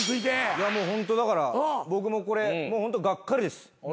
いやもうホントだから僕もこれがっかりです。